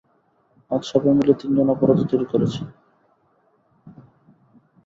আজ সবাই মিলে তিনজন অপরাধী তৈরি করেছি।